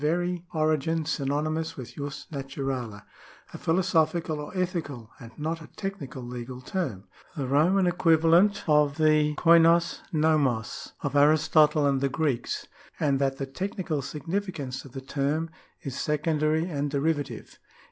2. 97. §16] OTHER KINDS OF LAW 47 origin synonymous with jus naturale — a philosopliical or ethical, and not a technical legal term — the Roman equivalent of the kmi'dq vojxor of Aristotle and the Greeks ; and that the technical significance of the term is secondary and derivative.